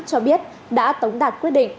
cho biết đã tống đạt quyết định